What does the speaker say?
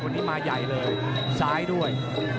วันนี้มาใหญ่เลยซ้ายด้วย